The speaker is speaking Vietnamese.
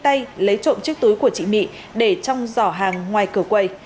lã thị thu mỹ đã lấy trộm chiếc túi của chị mỹ để trong giỏ hàng ngoài cửa quầy